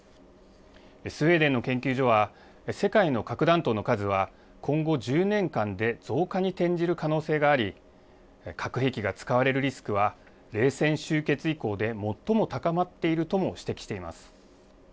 スウェーデンの研究所は、世界の核弾頭の数は、今後１０年間で増加に転じる可能性があり、核兵器が使われるリスクは、冷戦終結以降で最も高まっているとも指摘しています。